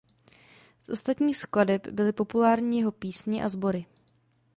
Z ostatních skladeb byly populární jeho písně a sbory.